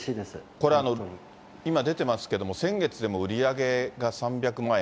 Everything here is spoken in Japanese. これ、今出てますけれども、先月でも売り上げが３００万円。